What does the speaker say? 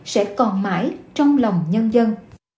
sẽ còn mãi trong lòng nhân dân